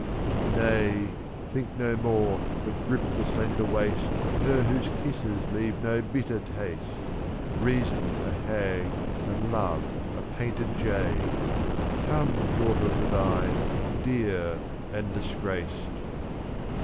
Nay! think no more, but grip the slender waist Of her whose kisses leave no bitter taste, / 7«5>' Reason's a hag, and love a painted jade, — Come, daughter of the vine, dear and disgraced.